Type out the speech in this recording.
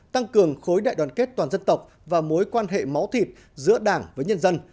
tăng cường khối đại đoàn kết toàn dân tộc và mối quan hệ máu thịt giữa đảng với nhân dân